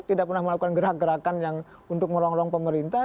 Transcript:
tidak pernah melakukan gerakan gerakan yang untuk merongrong pemerintah